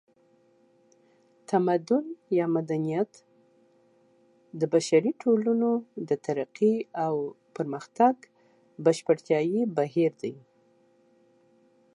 تمدن یا مدنیت د بشري ټولنو د ترقۍ او پرمختګ بشپړتیایي بهیر دی